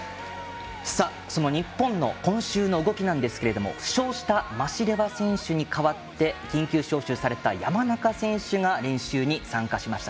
その日本の今週の動きなんですが負傷したマシレワ選手に代わって緊急招集された山中選手が練習に参加しました。